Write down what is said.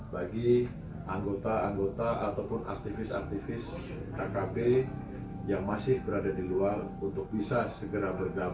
bagi anggota anggota ataupun aktivis aktivis kkp yang masih berada di luar untuk bisa segera berdampak